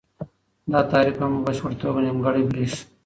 دا تعریف هم په بشپړه توګه نیمګړی برېښي.